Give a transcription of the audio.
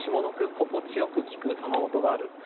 「心地よく聞く雨音がある」